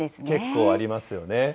結構ありますよね。